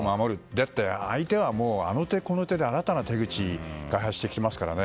だって、相手はもうあの手この手で、新たな手口を開発してきますからね。